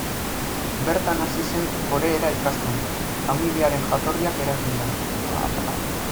Bertan hasi zen koreera ikasten, familiaren jatorriak eraginda.